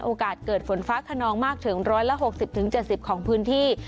โอกาสเกิดฝนฟ้าขนองมากถึง๑๖๐๗๐ของพื้นที่